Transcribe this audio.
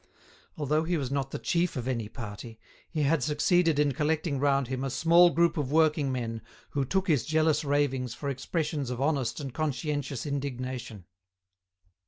Although he was not the chief of any party, he had succeeded in collecting round him a small group of working men who took his jealous ravings for expressions of honest and conscientious indignation.